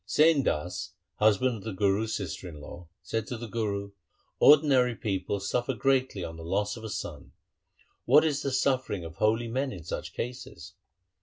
2 Sain Das, husband of the Guru's sister in law, said to the Guru, ' Ordinary people suffer greatly on the loss of a son. What is the suffering of holy men in such cases